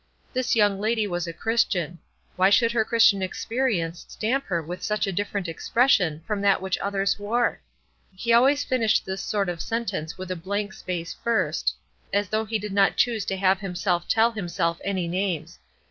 This young lady was a Christian. Why should her Christian experience stamp her with such a different expression from that which others wore? He always finished this sort of sentence with a blank space first, as though he did not choose to have himself tell himself any names.